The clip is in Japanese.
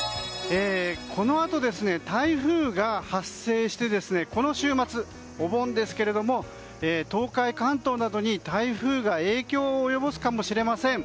このあと、台風が発生してこの週末、お盆ですけれども東海、関東などに台風が影響を及ぼすかもしれません。